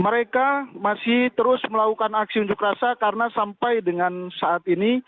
mereka masih terus melakukan aksi unjuk rasa karena sampai dengan saat ini